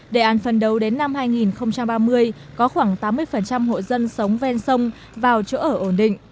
đề án phần đầu đến năm hai nghìn ba mươi có khoảng tám mươi hộ dân sống ven sông vào chỗ ở ổn định